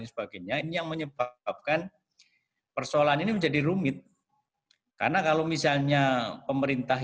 sebagainya ini yang menyebabkan persoalan ini menjadi rumit karena kalau misalnya pemerintah